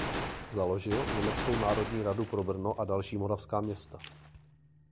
Založil německou národní radu pro Brno a další moravská města.